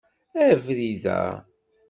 Abrid-a.